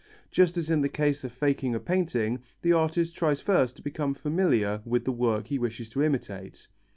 Just as in the case of faking a painting, the artist tries first to become familiar with the work he wishes to imitate.